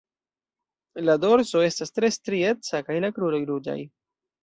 La dorso estas tre strieca kaj la kruroj ruĝaj.